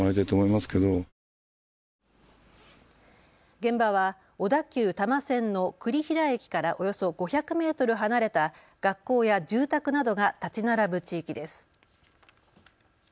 現場は小田急多摩線の栗平駅からおよそ５００メートル離れた学校や住宅などが建ち並ぶ地域です。